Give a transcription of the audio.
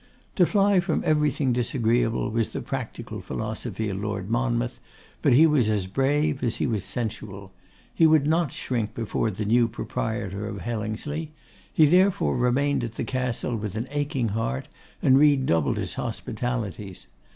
To fly from everything disagreeable was the practical philosophy of Lord Monmouth; but he was as brave as he was sensual. He would not shrink before the new proprietor of Hellingsley. He therefore remained at the Castle with an aching heart, and redoubled his hospitalities.